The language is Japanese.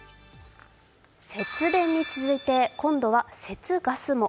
節電に続いて、今度は節ガスも。